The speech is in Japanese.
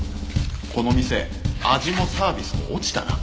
この店味もサービスも落ちたな。